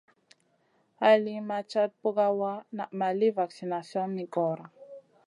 Hay li ma cata pukawa naʼ ma li vaksination mi goora.